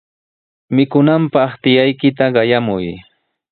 Mikunanpaq tiyaykita qayamuy.